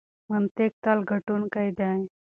منطق تل ګټونکی دی.